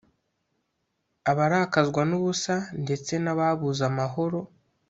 abarakazwa n’ubusa ndetse n’ababuze amahoro